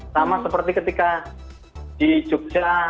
sama seperti ketika di jogja